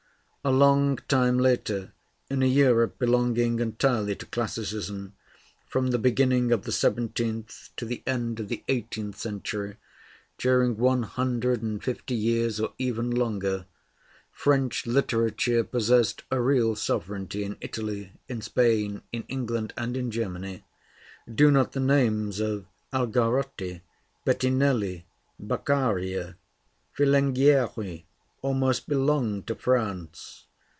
A long time later, in a Europe belonging entirely to classicism, from the beginning of the seventeenth to the end of the eighteenth century, during one hundred and fifty years or even longer, French literature possessed a real sovereignty in Italy, in Spain, in England, and in Germany. Do not the names of Algarotti, Bettinelli, Beccaria, Filengieri, almost belong to France?